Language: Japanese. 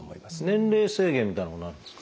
年齢制限みたいなものはあるんですか？